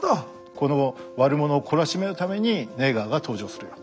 この悪者を懲らしめるためにネイガーが登場する。